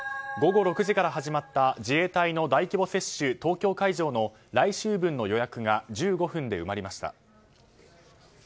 午後６時から始まった自衛隊の大規模接種東京会場の来週分の予約が１５分で埋まりました。